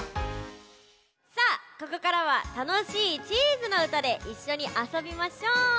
さあここからはたのしいチーズのうたでいっしょにあそびましょう。